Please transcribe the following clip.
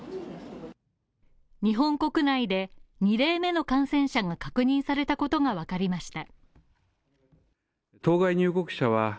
日本国内で２例目の感染者が確認されたことがわかりました。